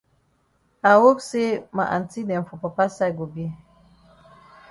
I hope say ma aunty dem for papa side go be.